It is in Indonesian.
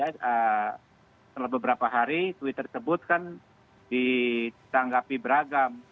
ya setelah beberapa hari twitter tersebut kan ditanggapi beragam